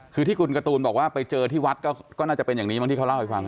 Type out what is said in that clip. คือที่คุณการ์ตูนบอกว่าไปเจอที่วัดก็น่าจะเป็นอย่างนี้มั้งที่เขาเล่าให้ฟัง